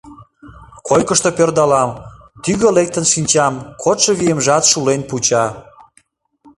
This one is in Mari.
Койкышто пӧрдалам, тӱгӧ лектын шинчам — кодшо виемжат шулен пуча.